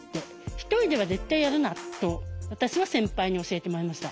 一人では絶対やるなと私は先輩に教えてもらいました。